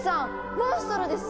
モンストロです！